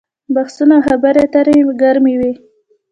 بحثونه او خبرې اترې ګرمې وي.